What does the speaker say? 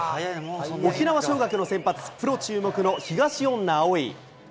沖縄尚学の先発、プロ注目の東恩納蒼。